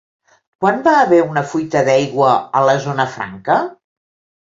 Quan va haver una fuita d'aigua a la Zona Franca?